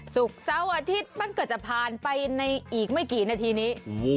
เสาร์อาทิตย์มันก็จะผ่านไปในอีกไม่กี่นาทีนี้